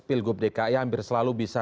pilgub dki hampir selalu bisa